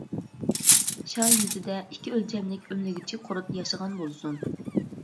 شار يۈزىدە ئىككى ئۆلچەملىك ئۆمىلىگۈچى قۇرت ياشىغان بولسۇن.